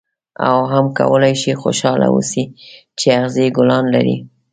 او هم کولای شې خوشاله اوسې چې اغزي ګلان لري.